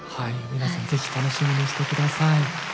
皆さん是非楽しみにしてください。